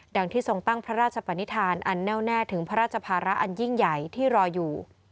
ที่ทรงตั้งพระราชปนิษฐานอันแน่วแน่ถึงพระราชภาระอันยิ่งใหญ่ที่รออยู่